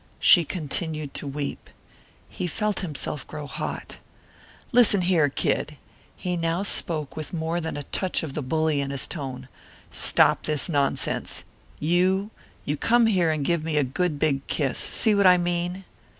She continued to weep. He felt himself grow hot. "Listen here, Kid" He now spoke with more than a touch of the bully in his tone "stop this nonsense. You you come here and give me a good big kiss see what I mean?"